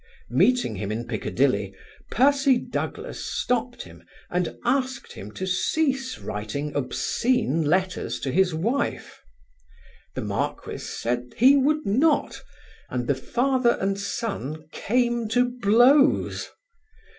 Meeting him in Piccadilly Percy Douglas stopped him and asked him to cease writing obscene letters to his wife. The Marquis said he would not and the father and son came to blows.